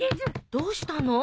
どうしたの？